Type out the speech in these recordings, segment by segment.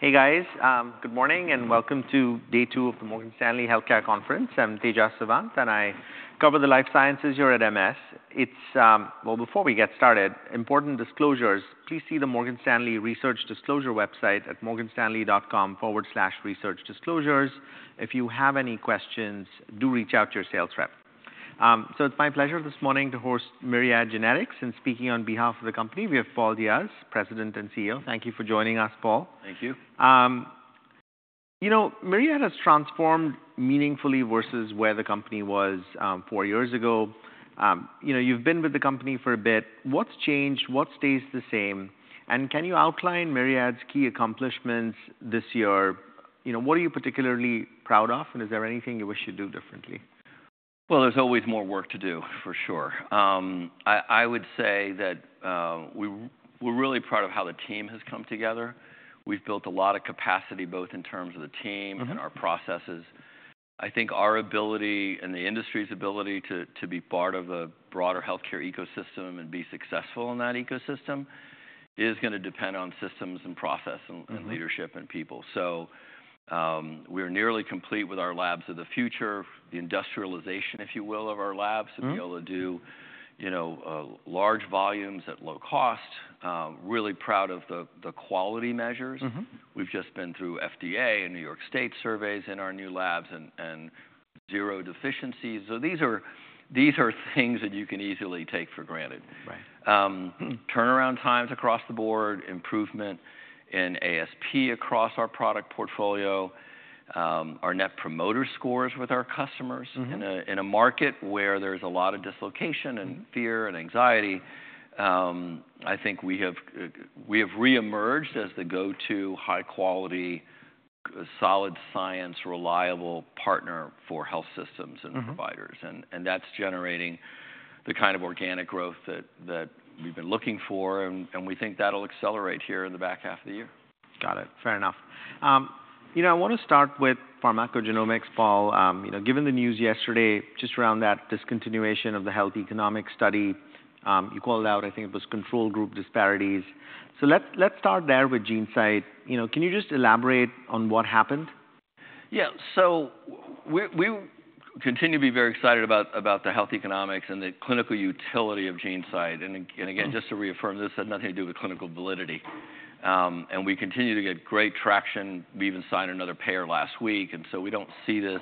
Hey, guys. Good morning, and welcome to day two of the Morgan Stanley Healthcare Conference. I'm Tejas Sawant, and I cover the life sciences here at MS. Well, before we get started, important disclosures: please see the Morgan Stanley Research Disclosure website at morganstanley.com/researchdisclosures. If you have any questions, do reach out to your sales rep. So it's my pleasure this morning to host Myriad Genetics, and speaking on behalf of the company, we have Paul Diaz, President and CEO. Thank you for joining us, Paul. Thank you. You know, Myriad has transformed meaningfully versus where the company was four years ago. You know, you've been with the company for a bit. What's changed? What stays the same? And can you outline Myriad's key accomplishments this year? You know, what are you particularly proud of, and is there anything you wish you'd do differently? There's always more work to do, for sure. I would say that we're really proud of how the team has come together. We've built a lot of capacity, both in terms of the team- Mm-hmm... and our processes. I think our ability and the industry's ability to, to be part of a broader healthcare ecosystem and be successful in that ecosystem is gonna depend on systems and process- Mm-hmm... and leadership and people. So, we are nearly complete with our Lab of the Future, the industrialization, if you will, of our labs- Mm-hmm... to be able to do, you know, large volumes at low cost. Really proud of the quality measures. Mm-hmm. We've just been through FDA and New York State surveys in our new labs, and zero deficiencies. So these are things that you can easily take for granted. Right. Turnaround times across the board, improvement in ASP across our product portfolio, our net promoter scores with our customers- Mm-hmm... in a market where there's a lot of dislocation and- Mm... fear and anxiety. I think we have reemerged as the go-to, high quality, solid science, reliable partner for health systems and providers. Mm-hmm. That's generating the kind of organic growth that we've been looking for, and we think that'll accelerate here in the back half of the year. Got it. Fair enough. You know, I want to start with pharmacogenomics, Paul. You know, given the news yesterday, just around that discontinuation of the health economic study, you called out, I think it was control group disparities. So let's start there with GeneSight. You know, can you just elaborate on what happened? Yeah. So we continue to be very excited about the health economics and the clinical utility of GeneSight. And again- Mm-hmm... just to reaffirm, this had nothing to do with clinical validity, and we continue to get great traction. We even signed another payer last week, and so we don't see this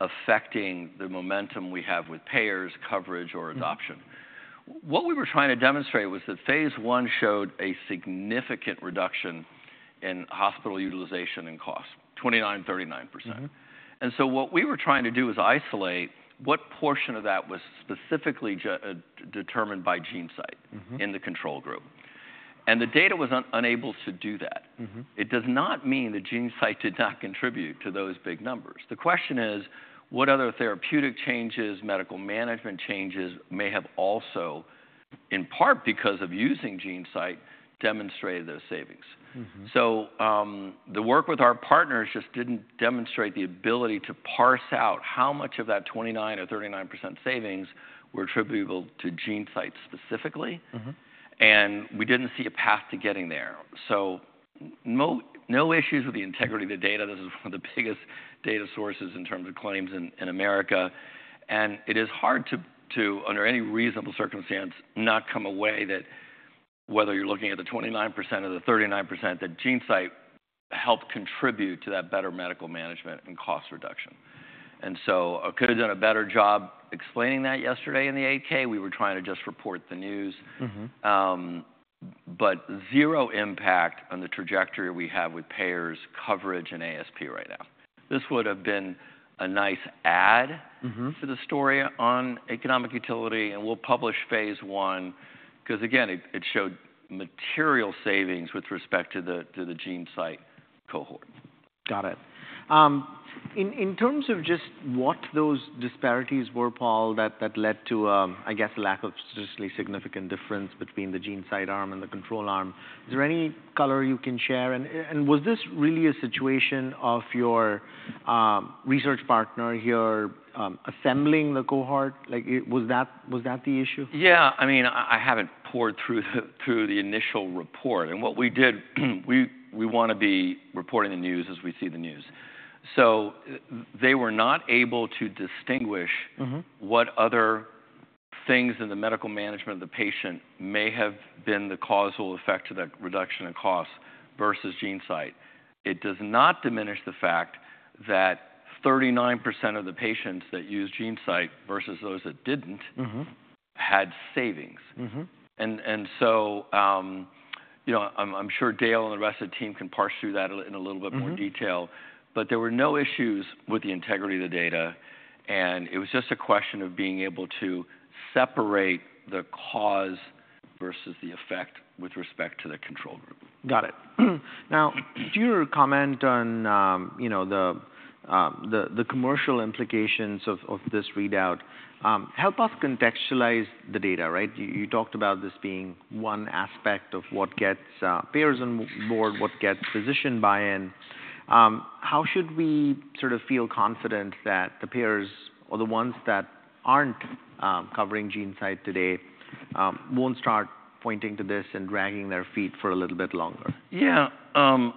affecting the momentum we have with payers, coverage, or adoption. Mm. What we were trying to demonstrate was that phase one showed a significant reduction in hospital utilization and cost, 29%-39%. Mm-hmm. And so what we were trying to do is isolate what portion of that was specifically determined by GeneSight- Mm-hmm... in the control group. The data was unable to do that. Mm-hmm. It does not mean that GeneSight did not contribute to those big numbers. The question is, what other therapeutic changes, medical management changes, may have also, in part, because of using GeneSight, demonstrated those savings? Mm-hmm. The work with our partners just didn't demonstrate the ability to parse out how much of that 29% or 39% savings were attributable to GeneSight specifically. Mm-hmm. And we didn't see a path to getting there. So no issues with the integrity of the data. This is one of the biggest data sources in terms of claims in America, and it is hard to under any reasonable circumstance not come away that whether you're looking at the 29% or the 39%, that GeneSight helped contribute to that better medical management and cost reduction. And so I could have done a better job explaining that yesterday in the 8-K. We were trying to just report the news. Mm-hmm. But zero impact on the trajectory we have with payers, coverage, and ASP right now. This would have been a nice ad- Mm-hmm... for the story on economic utility, and we'll publish phase one, 'cause again, it showed material savings with respect to the GeneSight cohort. Got it. In terms of just what those disparities were, Paul, that led to, I guess, lack of statistically significant difference between the GeneSight arm and the control arm, is there any color you can share? And was this really a situation of your research partner here assembling the cohort? Like, was that the issue? Yeah. I mean, I haven't pored through the initial report, and what we did, we want to be reporting the news as we see the news. So they were not able to distinguish- Mm-hmm... what other things in the medical management of the patient may have been the causal effect to that reduction in cost versus GeneSight. It does not diminish the fact that 39% of the patients that used GeneSight versus those that didn't- Mm-hmm... had savings. Mm-hmm. You know, I'm sure Dale and the rest of the team can parse through that in a little bit more detail. Mm-hmm. But there were no issues with the integrity of the data, and it was just a question of being able to separate the cause versus the effect with respect to the control group. Got it. Now, your comment on, you know, the commercial implications of this readout, help us contextualize the data, right? You talked about this being one aspect of what gets payers on board, what gets physician buy-in. How should we sort of feel confident that the payers or the ones that aren't covering GeneSight today won't start pointing to this and dragging their feet for a little bit longer? Yeah,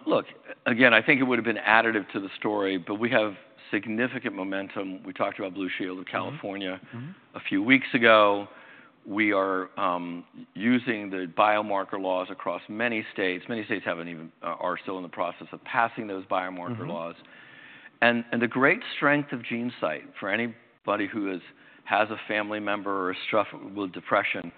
look, again, I think it would have been additive to the story, but we have significant momentum. We talked about Blue Shield of California- Mm-hmm, mm-hmm... a few weeks ago. We are using the biomarker laws across many states. Many states are still in the process of passing those biomarker laws. Mm-hmm. The great strength of GeneSight, for anybody who has a family member or struggle with depression,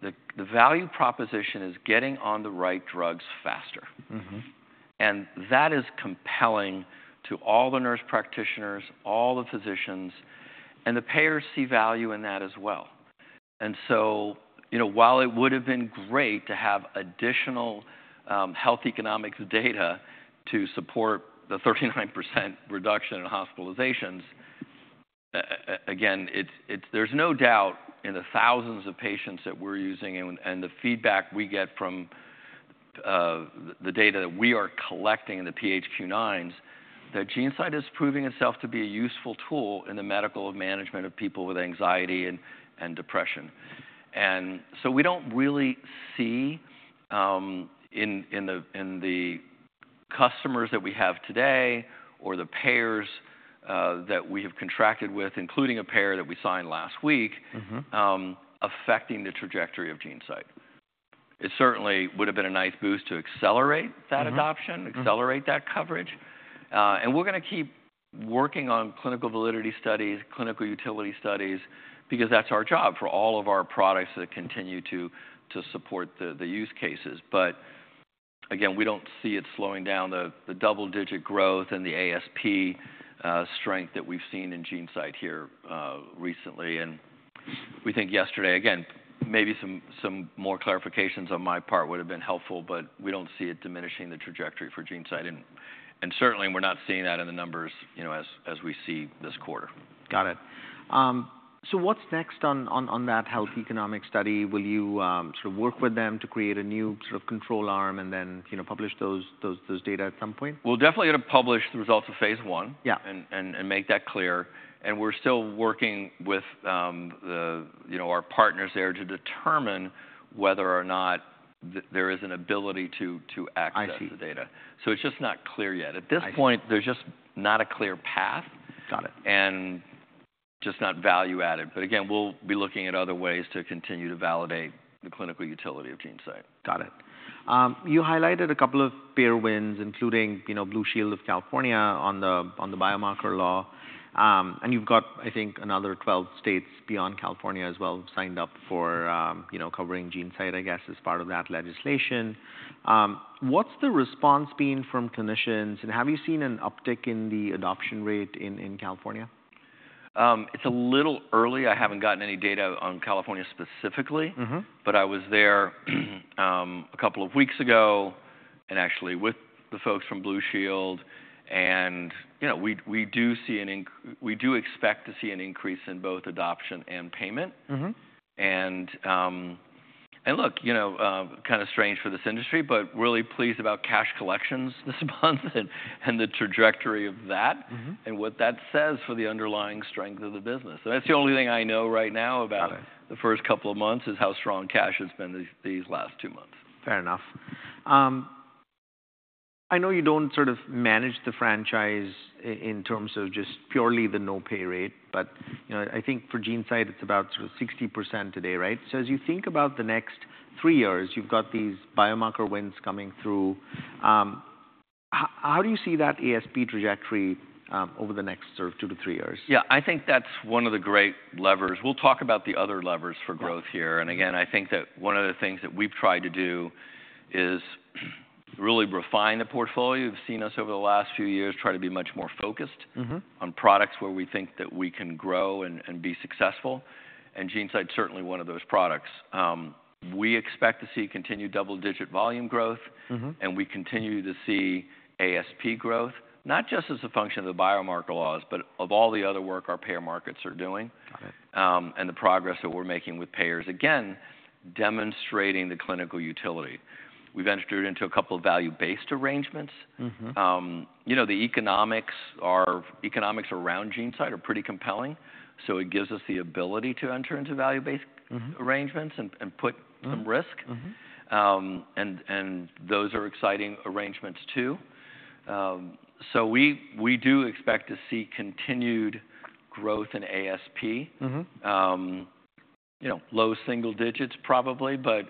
the value proposition is getting on the right drugs faster. Mm-hmm. That is compelling to all the nurse practitioners, all the physicians, and the payers see value in that as well. And so, you know, while it would have been great to have additional health economics data to support the 39% reduction in hospitalizations, again, it's, it's-- there's no doubt in the thousands of patients that we're using and the feedback we get from the data that we are collecting in the PHQ-9s, that GeneSight is proving itself to be a useful tool in the medical management of people with anxiety and depression. And so we don't really see in the customers that we have today or the payers that we have contracted with, including a payer that we signed last week- Mm-hmm... affecting the trajectory of GeneSight. It certainly would have been a nice boost to accelerate that adoption- Mm-hmm, mm-hmm... accelerate that coverage. And we're gonna keep working on clinical validity studies, clinical utility studies, because that's our job for all of our products that continue to support the use cases. But again, we don't see it slowing down the double-digit growth and the ASP strength that we've seen in GeneSight here recently. And we think yesterday, again, maybe some more clarifications on my part would have been helpful, but we don't see it diminishing the trajectory for GeneSight. And certainly, we're not seeing that in the numbers, you know, as we see this quarter. Got it. So what's next on that health economic study? Will you sort of work with them to create a new sort of control arm, and then, you know, publish those data at some point? We'll definitely gonna publish the results of phase one- Yeah... and make that clear. And we're still working with, you know, our partners there to determine whether or not there is an ability to access- I see... the data. So it's just not clear yet. I see. At this point, there's just not a clear path. Got it. Just not value-added. Again, we'll be looking at other ways to continue to validate the clinical utility of GeneSight. Got it. You highlighted a couple of payer wins, including, you know, Blue Shield of California on the biomarker law, and you've got, I think, another 12 states beyond California as well, signed up for, you know, covering GeneSight, I guess, as part of that legislation. What's the response been from clinicians, and have you seen an uptick in the adoption rate in California? It's a little early. I haven't gotten any data on California specifically. Mm-hmm. But I was there a couple of weeks ago and actually with the folks from Blue Shield and, you know, we do expect to see an increase in both adoption and payment. Mm-hmm. And look, you know, kind of strange for this industry, but really pleased about cash collections this month and the trajectory of that. Mm-hmm... and what that says for the underlying strength of the business, so that's the only thing I know right now about- Got it... the first couple of months is how strong cash has been these last two months. Fair enough. I know you don't sort of manage the franchise, in terms of just purely the no-pay rate, but, you know, I think for GeneSight, it's about sort of 60% today, right? So as you think about the next three years, you've got these biomarker wins coming through. How do you see that ASP trajectory over the next sort of two to three years? Yeah, I think that's one of the great levers. We'll talk about the other levers for growth here. Yeah. And again, I think that one of the things that we've tried to do is, really refine the portfolio. You've seen us over the last few years, try to be much more focused- Mm-hmm... on products where we think that we can grow and, and be successful. And GeneSight, certainly one of those products. We expect to see continued double-digit volume growth. Mm-hmm. We continue to see ASP growth, not just as a function of the biomarker laws, but of all the other work our payer markets are doing- Got it... and the progress that we're making with payers, again, demonstrating the clinical utility. We've entered into a couple of value-based arrangements. Mm-hmm. You know, the economics around GeneSight are pretty compelling, so it gives us the ability to enter into value-based- Mm-hmm ...arrangements and put some risk. Mm-hmm. Those are exciting arrangements, too. We do expect to see continued growth in ASP. Mm-hmm. You know, low single digits, probably, but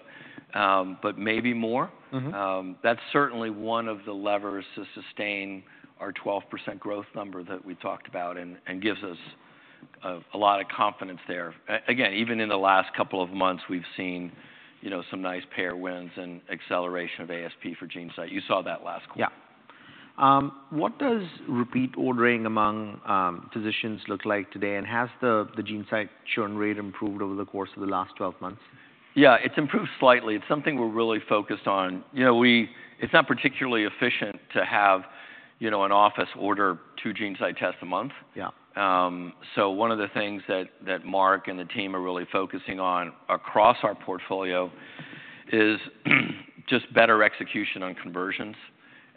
maybe more. Mm-hmm. That's certainly one of the levers to sustain our 12% growth number that we talked about and gives us a lot of confidence there. Again, even in the last couple of months, we've seen, you know, some nice payer wins and acceleration of ASP for GeneSight. You saw that last quarter. Yeah. What does repeat ordering among physicians look like today? And has the GeneSight churn rate improved over the course of the last twelve months? Yeah, it's improved slightly. It's something we're really focused on. You know, it's not particularly efficient to have, you know, an office order two GeneSight tests a month. Yeah. So one of the things that Mark and the team are really focusing on across our portfolio is just better execution on conversions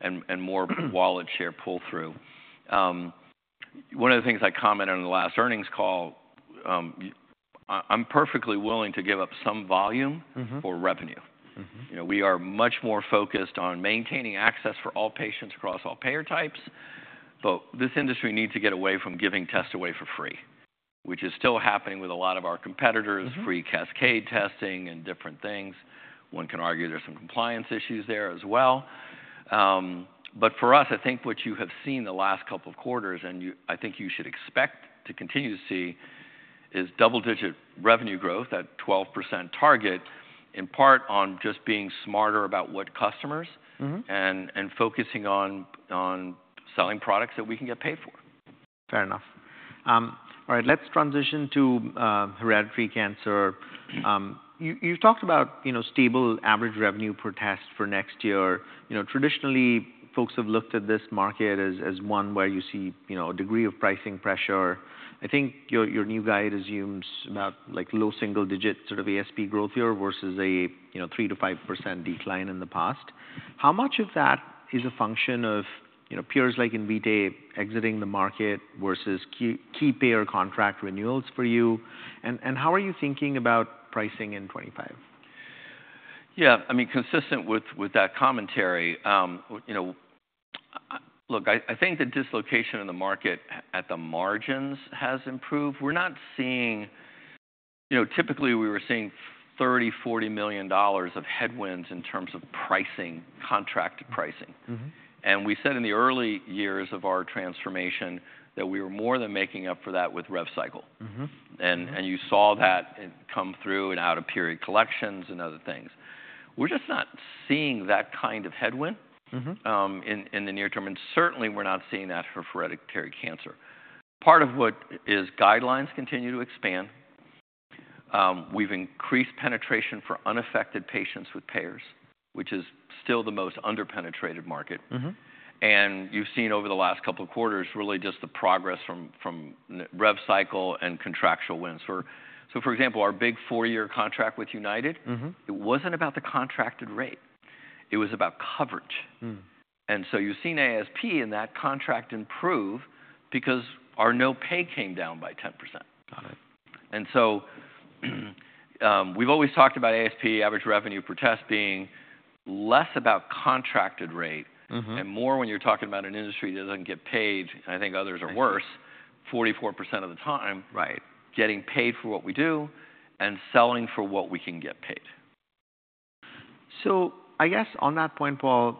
and more wallet share pull-through. One of the things I commented on in the last earnings call, I'm perfectly willing to give up some volume- Mm-hmm. -for revenue. Mm-hmm. You know, we are much more focused on maintaining access for all patients across all payer types, but this industry needs to get away from giving tests away for free, which is still happening with a lot of our competitors. Mm-hmm. Free cascade testing and different things. One can argue there's some compliance issues there as well. But for us, I think what you have seen the last couple of quarters, and you—I think you should expect to continue to see, is double-digit revenue growth at 12% target, in part on just being smarter about what customers- Mm-hmm and focusing on selling products that we can get paid for. Fair enough. All right, let's transition to hereditary cancer. You talked about, you know, stable average revenue per test for next year. You know, traditionally, folks have looked at this market as one where you see, you know, a degree of pricing pressure. I think your new guide assumes about, like, low single digit, sort of ASP growth here versus a, you know, 3%-5% decline in the past. How much of that is a function of, you know, peers like Invitae exiting the market versus key payer contract renewals for you? And how are you thinking about pricing in 2025? Yeah, I mean, consistent with that commentary, you know. Look, I think the dislocation in the market at the margins has improved. We're not seeing. You know, typically, we were seeing $30 million-$40 million of headwinds in terms of pricing, contracted pricing. Mm-hmm. We said in the early years of our transformation that we were more than making up for that with rev cycle. Mm-hmm. And- Mm-hmm... and you saw that come through in out-of-period collections and other things. We're just not seeing that kind of headwind. Mm-hmm... in the near term, and certainly we're not seeing that for hereditary cancer. Part of what is guidelines continue to expand. We've increased penetration for unaffected patients with payers, which is still the most under-penetrated market. Mm-hmm. And you've seen over the last couple of quarters, really, just the progress from rev cycle and contractual wins. So, for example, our big four-year contract with UnitedHealthcare. Mm-hmm... it wasn't about the contracted rate, it was about coverage. Hmm. You've seen ASP in that contract improve because our no pay came down by 10%. Got it. And so, we've always talked about ASP, Average Revenue Per Test, being less about contracted rate- Mm-hmm... and more when you're talking about an industry that doesn't get paid, and I think others are worse, 44% of the time- Right... getting paid for what we do and selling for what we can get paid. So I guess on that point, Paul,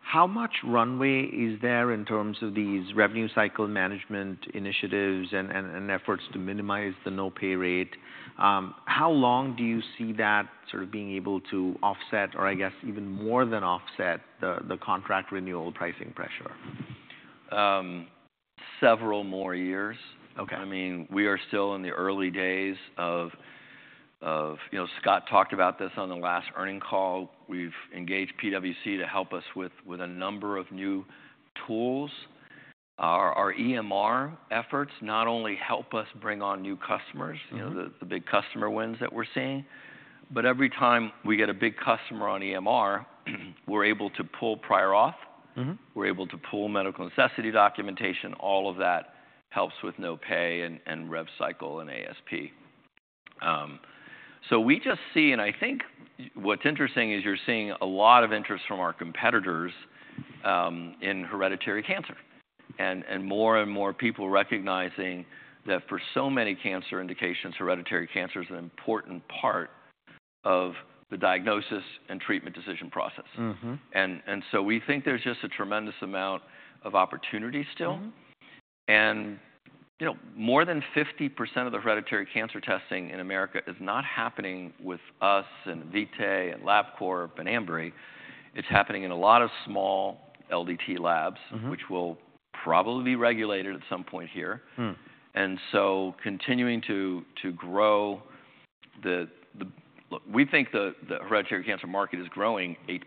how much runway is there in terms of these revenue cycle management initiatives and efforts to minimize the no-pay rate? How long do you see that sort of being able to offset or, I guess, even more than offset the contract renewal pricing pressure? Several more years. Okay. I mean, we are still in the early days of... You know, Scott talked about this on the last earnings call. We've engaged PwC to help us with a number of new tools. Our EMR efforts not only help us bring on new customers- Mm-hmm... you know, the big customer wins that we're seeing, but every time we get a big customer on EMR, we're able to pull prior off. Mm-hmm. We're able to pull medical necessity documentation. All of that helps with no pay and rev cycle and ASP. So we just see, and I think what's interesting, is you're seeing a lot of interest from our competitors in hereditary cancer. And more and more people recognizing that for so many cancer indications, hereditary cancer is an important part of the diagnosis and treatment decision process. Mm-hmm. We think there's just a tremendous amount of opportunity still. Mm-hmm. You know, more than 50% of the hereditary testing in America is not happening with us, and Invitae, and Labcorp, and Ambry. It's happening in a lot of small LDT labs. Mm-hmm... which will probably be regulated at some point here. Hmm. Look, we think the hereditary cancer market is growing 8%,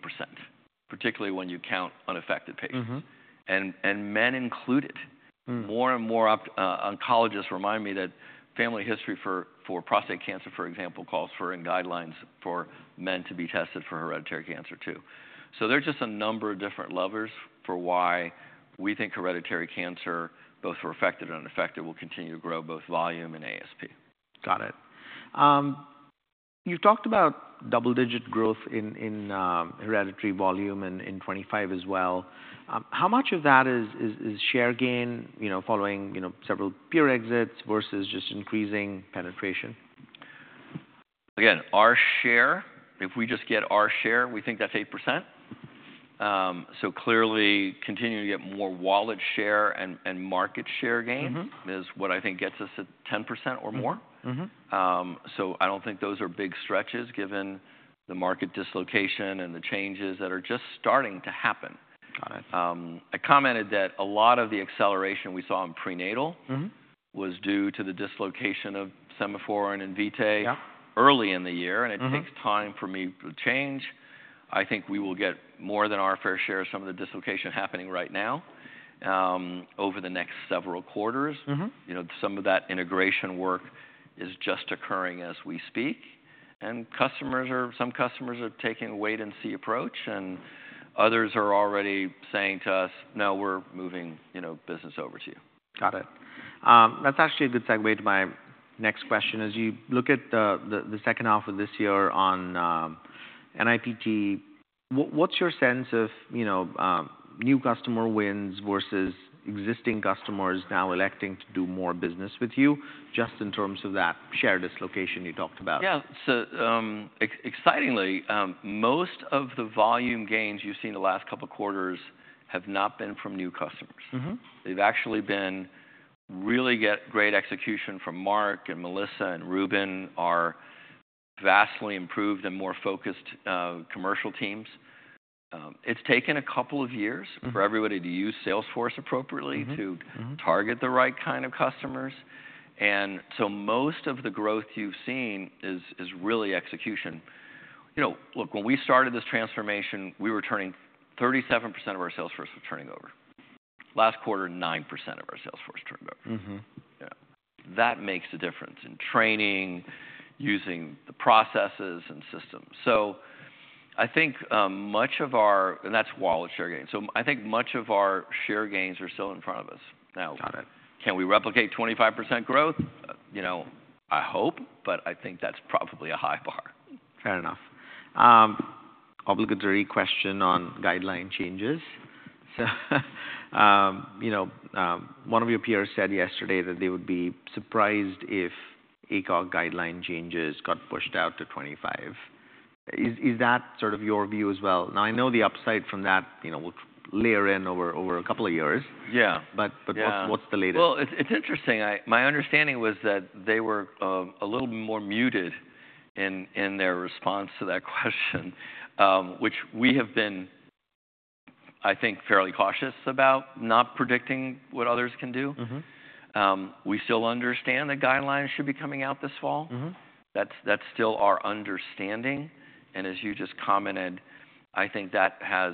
particularly when you count unaffected patients. Mm-hmm. And men included. Hmm. More and more oncologists remind me that family history for prostate cancer, for example, calls for guidelines for men to be tested for hereditary cancer, too. So there are just a number of different levers for why we think hereditary cancer, both for affected and unaffected, will continue to grow both volume and ASP. Got it. You've talked about double-digit growth in hereditary volume in 2025 as well. How much of that is share gain, you know, following, you know, several peer exits versus just increasing penetration? Again, our share, if we just get our share, we think that's 8%. So clearly, continuing to get more wallet share and market share gain- Mm-hmm... is what I think gets us to 10% or more. Mm-hmm. Mm-hmm. So, I don't think those are big stretches, given the market dislocation and the changes that are just starting to happen. Got it. I commented that a lot of the acceleration we saw in prenatal- Mm-hmm... was due to the dislocation of Sema4 and Invitae- Yeah... early in the year- Mm-hmm... and it takes time for me to change. I think we will get more than our fair share of some of the dislocation happening right now over the next several quarters. Mm-hmm. You know, some of that integration work is just occurring as we speak, and customers are, some customers are taking a wait and see approach, and others are already saying to us: "No, we're moving, you know, business over to you. Got it. That's actually a good segue to my next question. As you look at the second half of this year on NIPT, what's your sense of, you know, new customer wins versus existing customers now electing to do more business with you, just in terms of that share dislocation you talked about? Yeah, so excitingly, most of the volume gains you've seen in the last couple of quarters have not been from new customers. Mm-hmm. They've actually been really getting great execution from Mark, and Melissa, and Ruben, our vastly improved and more focused commercial teams. It's taken a couple of years- Mm-hmm... for everybody to use Salesforce appropriately- Mm-hmm, mm-hmm... to target the right kind of customers. And so most of the growth you've seen is really execution. You know, look, when we started this transformation, we were turning 37% of our sales force was turning over. Last quarter, 9% of our sales force turned over. Mm-hmm. Yeah. That makes a difference in training, using the processes and systems. So I think much of our... And that's wallet share gain. So I think much of our share gains are still in front of us now. Got it. Can we replicate 25% growth? You know, I hope, but I think that's probably a high bar. Fair enough. Obligatory question on guideline changes. So, you know, one of your peers said yesterday that they would be surprised if ACOG guideline changes got pushed out to 2025. Is that sort of your view as well? Now, I know the upside from that, you know, will layer in over a couple of years. Yeah. But- Yeah... but what's the latest? It's interesting. My understanding was that they were a little more muted in their response to that question, which we have been, I think, fairly cautious about not predicting what others can do. Mm-hmm. We still understand the guidelines should be coming out this fall. Mm-hmm. That's still our understanding. And as you just commented, I think that has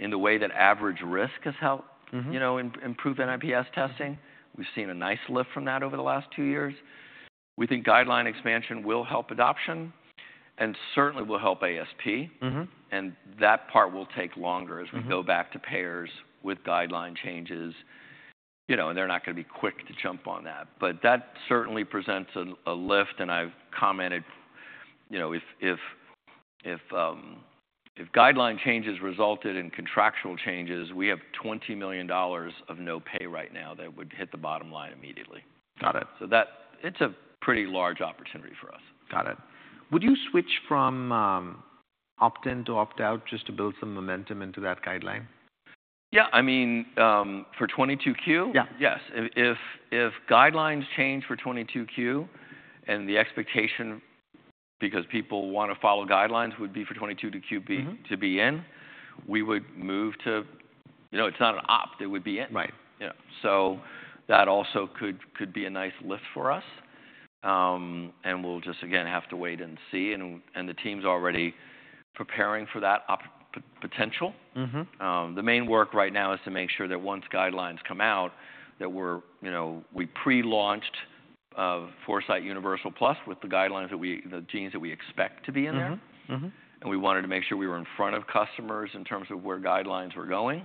in the way that average risk has helped- Mm-hmm... you know, improve NIPS testing. We've seen a nice lift from that over the last two years. We think guideline expansion will help adoption and certainly will help ASP. Mm-hmm. And that part will take longer- Mm-hmm... as we go back to payers with guideline changes. You know, they're not going to be quick to jump on that. But that certainly presents a lift, and I've commented, you know, if guideline changes resulted in contractual changes, we have $20 million of no pay right now that would hit the bottom line immediately. Got it. So that it's a pretty large opportunity for us. Got it. Would you switch from, opt-in to opt-out just to build some momentum into that guideline? Yeah, I mean, for 22q? Yeah. Yes. If guidelines change for 22q, and the expectation, because people want to follow guidelines, would be for 22q be- Mm-hmm... to be in, we would move to... You know, it's not an opt-out, it would be in. Right. Yeah. So that also could be a nice lift for us. And we'll just, again, have to wait and see, and the team's already preparing for that potential. Mm-hmm. The main work right now is to make sure that once guidelines come out, that we're, you know, we pre-launched Foresight Universal Plus with the genes that we expect to be in there. Mm-hmm, mm-hmm. We wanted to make sure we were in front of customers in terms of where guidelines were going.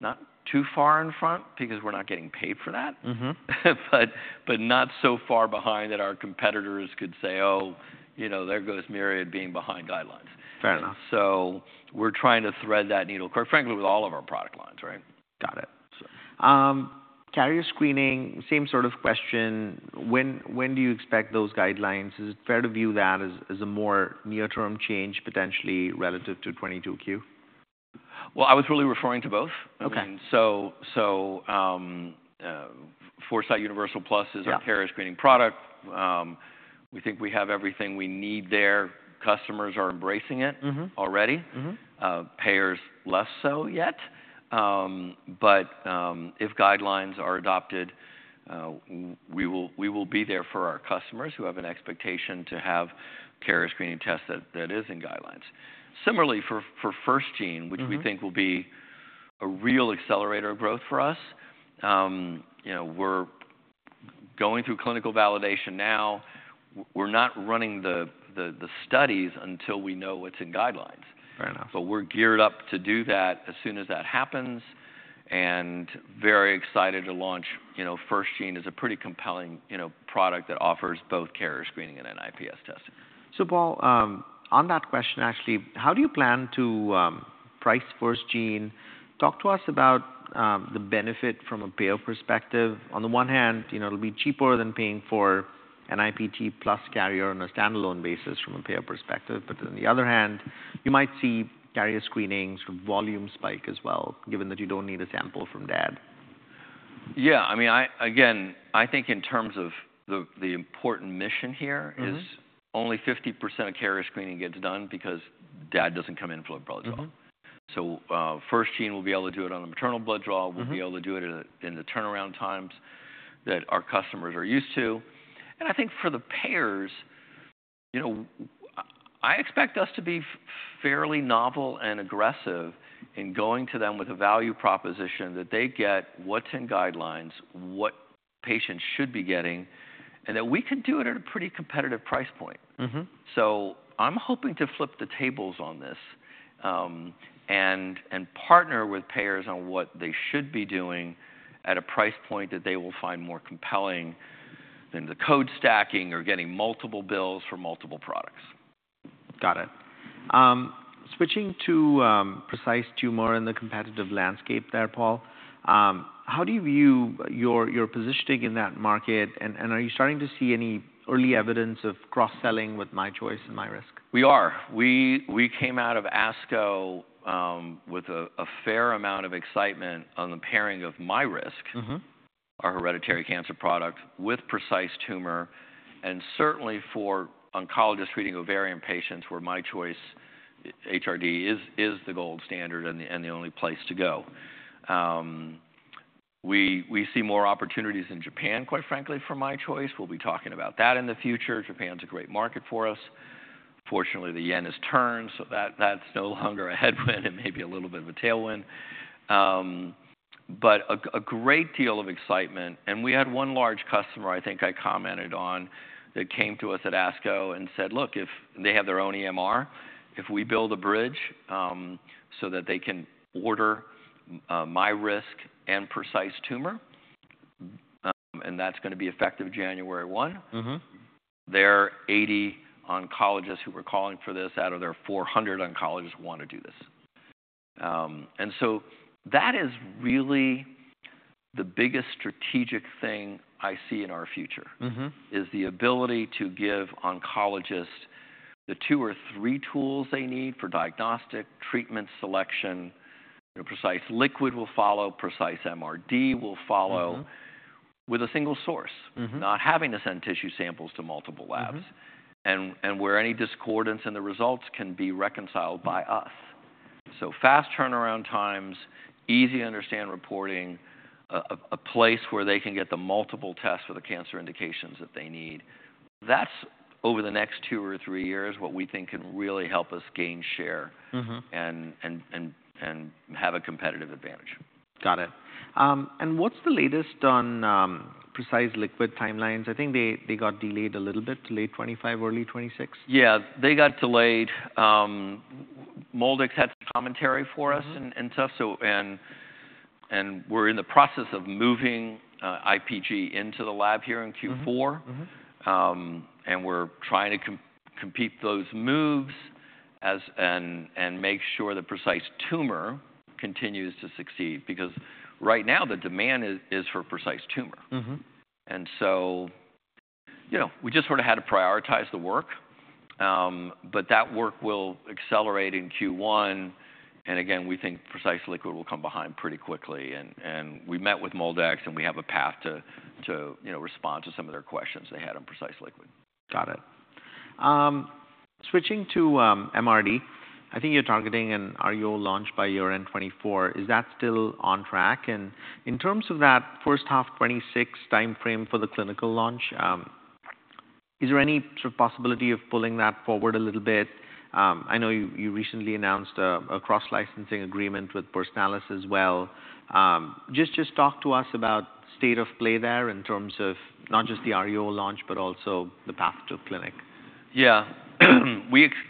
Not too far in front, because we're not getting paid for that. Mm-hmm. But, but not so far behind that our competitors could say, "Oh, you know, there goes Myriad being behind guidelines. Fair enough. So we're trying to thread that needle, quite frankly, with all of our product lines, right? Got it. So- Carrier screening, same sort of question. When do you expect those guidelines? Is it fair to view that as a more near-term change, potentially relative to 22q? I was really referring to both. Okay. I mean, so, Foresight Universal Plus is- Yeah... our carrier screening product. We think we have everything we need there. Customers are embracing it- Mm-hmm... already. Mm-hmm. Payers, less so yet. But if guidelines are adopted, we will be there for our customers who have an expectation to have carrier screening tests that is in guidelines. Similarly, for FirstGene- Mm-hmm... which we think will be a real accelerator of growth for us, you know, we're going through clinical validation now. We're not running the studies until we know what's in guidelines. Fair enough. But we're geared up to do that as soon as that happens, and very excited to launch. You know, FirstGene is a pretty compelling, you know, product that offers both carrier screening and NIPS testing. So Paul, on that question, actually, how do you plan to price FirstGene? Talk to us about the benefit from a payer perspective. On the one hand, you know, it'll be cheaper than paying for a NIPT plus carrier on a standalone basis from a payer perspective. But on the other hand, you might see carrier screening sort of volume spike as well, given that you don't need a sample from dad. Yeah, I mean, again, I think in terms of the important mission here- Mm-hmm... is only 50% of carrier screening gets done because dad doesn't come in for a blood draw. Mm-hmm. FirstGene, we'll be able to do it on a maternal blood draw. Mm-hmm. We'll be able to do it in the turnaround times that our customers are used to, and I think for the payers, you know, I expect us to be fairly novel and aggressive in going to them with a value proposition that they get, what's in guidelines, what patients should be getting, and that we can do it at a pretty competitive price point. Mm-hmm. So I'm hoping to flip the tables on this, and partner with payers on what they should be doing at a price point that they will find more compelling than the code stacking or getting multiple bills for multiple products. Got it. Switching to Precise Tumor and the competitive landscape there, Paul, how do you view your positioning in that market? And are you starting to see any early evidence of cross-selling with MyChoice and MyRisk? We are. We came out of ASCO with a fair amount of excitement on the pairing of MyRisk- Mm-hmm Our hereditary cancer product, with Precise Tumor, and certainly for oncologists treating ovarian patients where MyChoice HRD is, is the gold standard and the only place to go. We see more opportunities in Japan, quite frankly, for MyChoice. We'll be talking about that in the future. Japan's a great market for us. Fortunately, the yen has turned, so that's no longer a headwind and maybe a little bit of a tailwind, but a great deal of excitement, and we had one large customer, I think I commented on, that came to us at ASCO and said, "Look, if..." They have their own EMR, "If we build a bridge so that they can order MyRisk and Precise Tumor," and that's gonna be effective January one. Mm-hmm. Their 80 oncologists who were calling for this, out of their 400 oncologists, want to do this, and so that is really the biggest strategic thing I see in our future. Mm-hmm Is the ability to give oncologists the two or three tools they need for diagnostic, treatment, selection. You know, Precise Liquid will follow, Precise MRD will follow- Mm-hmm... with a single source. Mm-hmm. Not having to send tissue samples to multiple labs. Mm-hmm. where any discordance in the results can be reconciled by us. So fast turnaround times, easy-to-understand reporting, a place where they can get the multiple tests for the cancer indications that they need. That's, over the next two or three years, what we think can really help us gain share. Mm-hmm and have a competitive advantage. Got it, and what's the latest on Precise Liquid timelines? I think they got delayed a little bit to late 2025, early 2026. Yeah, they got delayed. MolDX had commentary for us- Mm-hmm We're in the process of moving IPG into the lab here in Q4. Mm-hmm. Mm-hmm. And we're trying to complete those moves and make sure that Precise Tumor continues to succeed. Because right now, the demand is for Precise Tumor. Mm-hmm. And so, you know, we just sort of had to prioritize the work, but that work will accelerate in Q1, and again, we think Precise Liquid will come behind pretty quickly. And we met with MolDX, and we have a path to, you know, respond to some of their questions they had on Precise Liquid. Got it. Switching to MRD, I think you're targeting an RUO launch by year-end 2024. Is that still on track? And in terms of that first half 2026 timeframe for the clinical launch, is there any sort of possibility of pulling that forward a little bit? I know you recently announced a cross-licensing agreement with Personalis as well. Just talk to us about state of play there in terms of not just the RUO launch, but also the path to clinic. Yeah.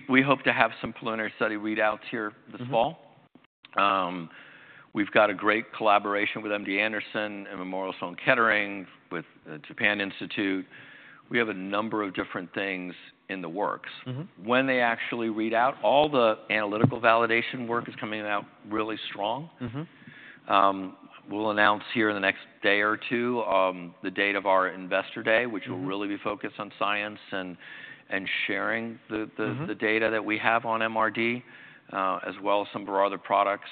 We hope to have some preliminary study readouts here this fall. Mm-hmm. We've got a great collaboration with MD Anderson and Memorial Sloan Kettering, with Japan Institute. We have a number of different things in the works. Mm-hmm. When they actually read out, all the analytical validation work is coming out really strong. Mm-hmm. We'll announce here in the next day or two, the date of our Investor Day- Mm-hmm which will really be focused on science and sharing the Mm-hmm... the data that we have on MRD, as well as some of our other products.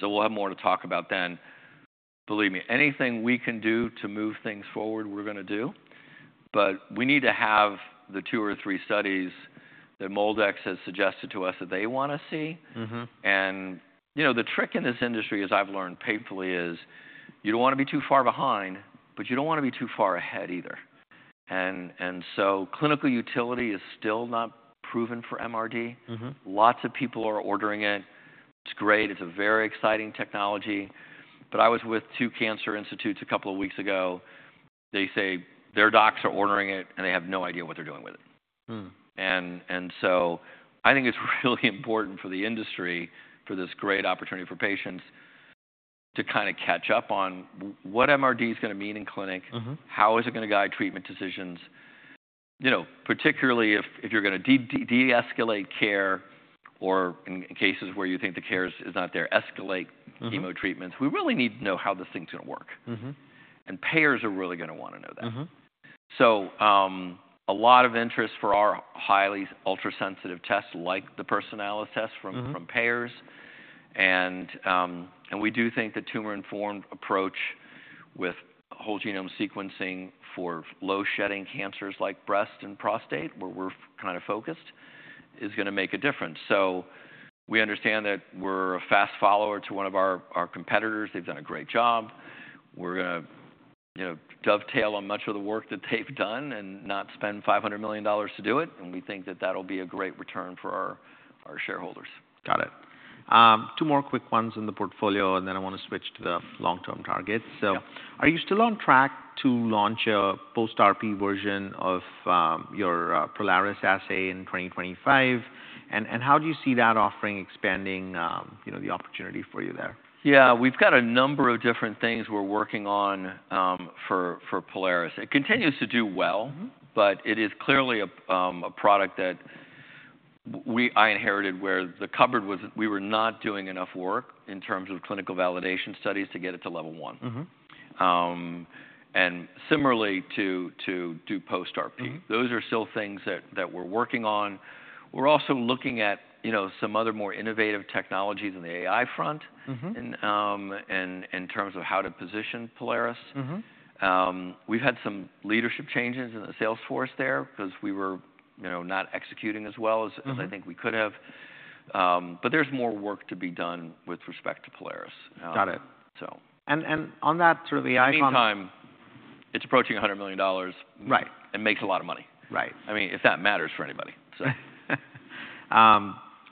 So we'll have more to talk about then. Believe me, anything we can do to move things forward, we're gonna do, but we need to have the two or three studies that MolDX has suggested to us that they wanna see. Mm-hmm. And, you know, the trick in this industry, as I've learned painfully, is you don't wanna be too far behind, but you don't wanna be too far ahead either. And, so clinical utility is still not proven for MRD. Mm-hmm. Lots of people are ordering it. It's great. It's a very exciting technology. But I was with two cancer institutes a couple of weeks ago. They say their docs are ordering it, and they have no idea what they're doing with it. Hmm. I think it's really important for the industry, for this great opportunity for patients, to kind of catch up on what MRD is gonna mean in clinic? Mm-hmm. How is it gonna guide treatment decisions? You know, particularly if you're gonna deescalate care or in cases where you think the care is not there, escalate- Mm-hmm... chemo treatments, we really need to know how this thing's gonna work. Mm-hmm. Payers are really gonna wanna know that. Mm-hmm. A lot of interest for our highly ultrasensitive tests, like the Personalis test from- Mm-hmm... from payers. We do think the tumor-informed approach with whole genome sequencing for low shedding cancers like breast and prostate, where we're kind of focused, is gonna make a difference. We understand that we're a fast follower to one of our competitors. They've done a great job. We're gonna, you know, dovetail on much of the work that they've done and not spend $500 million to do it, and we think that that'll be a great return for our shareholders. Got it. Two more quick ones in the portfolio, and then I wanna switch to the long-term target. Yeah. So are you still on track to launch a post-RP version of your Prolaris assay in 2025? And how do you see that offering expanding you know the opportunity for you there? Yeah, we've got a number of different things we're working on for Prolaris. It continues to do well- Mm-hmm. but it is clearly a product that we inherited, where the cupboard was... We were not doing enough work in terms of clinical validation studies to get it to level one. Mm-hmm. and similarly, to do post-RP. Mm-hmm. Those are still things that we're working on. We're also looking at, you know, some other more innovative technologies in the AI front- Mm-hmm - and in terms of how to position Prolaris. Mm-hmm. We've had some leadership changes in the sales force there, 'cause we were, you know, not executing as well as- Mm-hmm - as I think we could have. But there's more work to be done with respect to Prolaris. Got it. So- And, on that, through the AI front- In the meantime, it's approaching $100 million. Right. It makes a lot of money. Right. I mean, if that matters for anybody, so.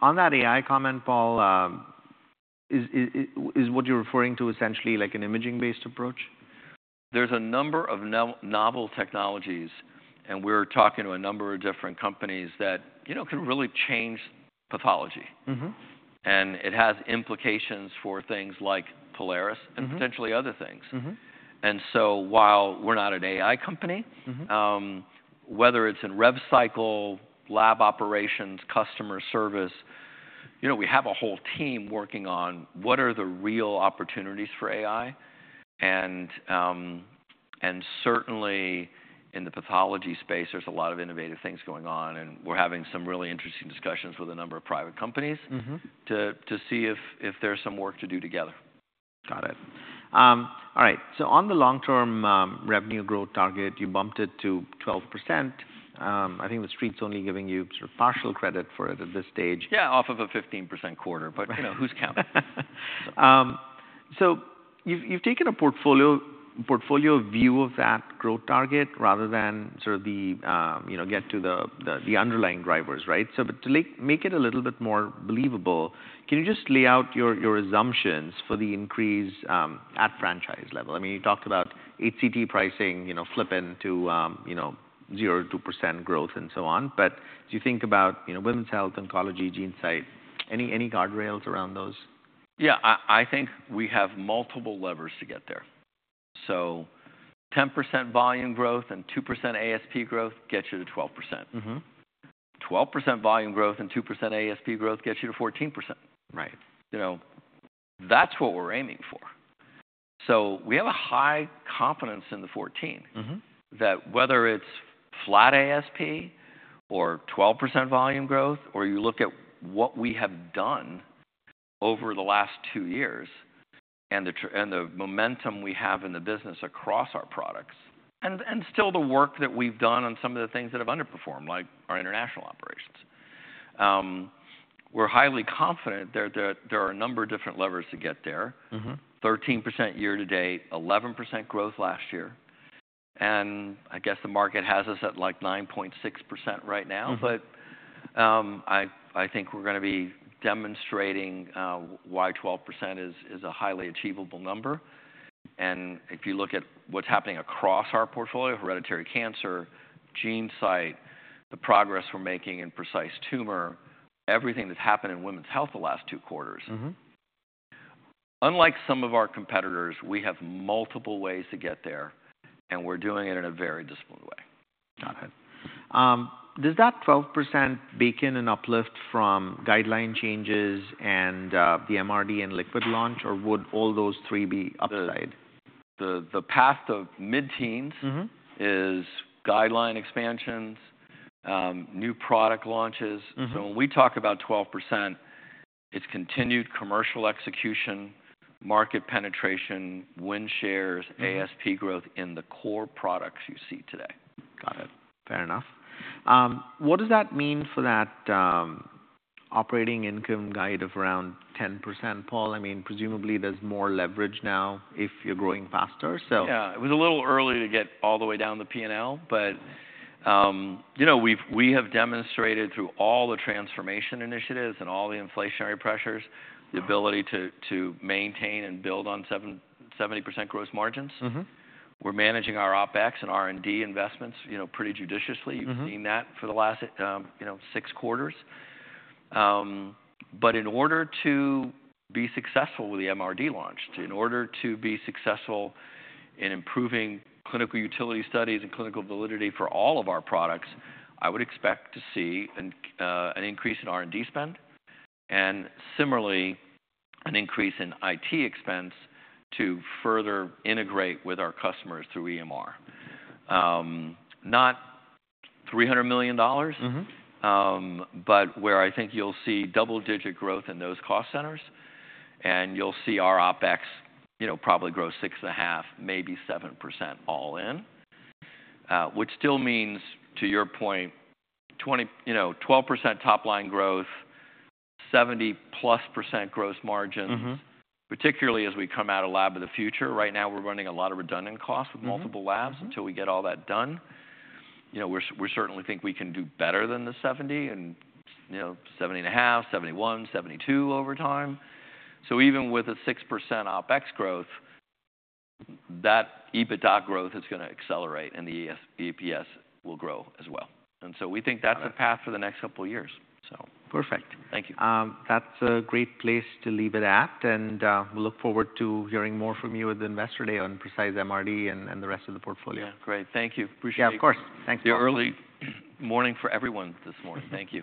On that AI comment, Paul, is what you're referring to essentially like an imaging-based approach? There's a number of novel technologies, and we're talking to a number of different companies that, you know, can really change pathology. Mm-hmm. It has implications for things like Prolaris. Mm-hmm and potentially other things. Mm-hmm. While we're not an AI company. Mm-hmm Whether it's in rev cycle, lab operations, customer service, you know, we have a whole team working on what are the real opportunities for AI. And, and certainly, in the pathology space, there's a lot of innovative things going on, and we're having some really interesting discussions with a number of private companies. Mm-hmm to see if there's some work to do together. Got it. All right, so on the long-term revenue growth target, you bumped it to 12%. I think the street's only giving you sort of partial credit for it at this stage. Yeah, off of a 15% quarter. Right. But, you know, who's counting? You've taken a portfolio view of that growth target rather than sort of the, you know, get to the underlying drivers, right? But to, like, make it a little bit more believable, can you just lay out your assumptions for the increase at franchise level? I mean, you talked about HCT pricing, you know, flipping to, you know, 0% to 2% growth and so on. But as you think about, you know, women's health, oncology, GeneSight, any guardrails around those? Yeah, I think we have multiple levers to get there. So 10% volume growth and 2% ASP growth gets you to 12%. Mm-hmm. 12% volume growth and 2% ASP growth gets you to 14%. Right. You know, that's what we're aiming for. So we have a high confidence in the 14. Mm-hmm. That whether it's flat ASP or 12% volume growth, or you look at what we have done over the last two years, and the momentum we have in the business across our products, and still the work that we've done on some of the things that have underperformed, like our international operations. We're highly confident there are a number of different levers to get there. Mm-hmm. 13% year to date, 11% growth last year, and I guess the market has us at, like, 9.6% right now. Mm-hmm. I think we're gonna be demonstrating why 12% is a highly achievable number. And if you look at what's happening across our portfolio, hereditary cancer, GeneSight, the progress we're making in Precise Tumor, everything that's happened in women's health the last two quarters- Mm-hmm... Unlike some of our competitors, we have multiple ways to get there, and we're doing it in a very disciplined way. Got it. Does that 12% bake in an uplift from guideline changes and the MRD and liquid launch, or would all those three be upside? The path of mid-teens- Mm-hmm - is guideline expansions, new product launches. Mm-hmm. When we talk about 12%, it's continued commercial execution, market penetration, win shares- Mm-hmm ASP growth in the core products you see today. Got it. Fair enough. What does that mean for that, operating income guide of around 10%, Paul? I mean, presumably, there's more leverage now if you're growing faster, so. Yeah, it was a little early to get all the way down the P&L, but, you know, we have demonstrated through all the transformation initiatives and all the inflationary pressures- Mm-hmm the ability to maintain and build on 70% gross margins. Mm-hmm. We're managing our OpEx and R&D investments, you know, pretty judiciously. Mm-hmm. You've seen that for the last, you know, six quarters. But in order to be successful with the MRD launch, in order to be successful in improving clinical utility studies and clinical validity for all of our products, I would expect to see an increase in R&D spend, and similarly, an increase in IT expense to further integrate with our customers through EMR. Not $300 million- Mm-hmm but where I think you'll see double-digit growth in those cost centers, and you'll see our OpEx, you know, probably grow 6.5, maybe 7% all in. Which still means, to your point, you know, 12% top-line growth, 70%+ gross margins- Mm-hmm particularly as we come out of Lab of the Future. Right now, we're running a lot of redundant costs- Mm-hmm - with multiple labs. Mm-hmm. Until we get all that done. You know, we're, we certainly think we can do better than the 70 and, you know, 70.5, 71, 72 over time. So even with a 6% OpEx growth, that EBITDA growth is gonna accelerate, and the EPS will grow as well. And so we think that's- Got it the path for the next couple of years, so. Perfect. Thank you. That's a great place to leave it at, and we look forward to hearing more from you at the Investor Day on Precise MRD and the rest of the portfolio. Yeah. Great. Thank you. Appreciate it. Yeah, of course. Thanks- It's early morning for everyone this morning. Thank you.